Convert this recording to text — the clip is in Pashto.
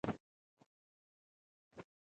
ثبات د تمدن د دوام نښه ده.